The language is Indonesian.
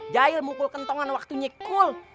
jahil mukul kentongan waktunya cool